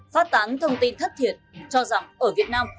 phát tán thông tin thất thiệt cho rằng ở việt nam phụ nữ bị phân biệt đối xử